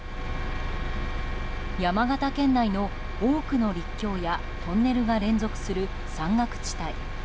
山形県内の多くの陸橋やトンネルが連続する山岳地帯。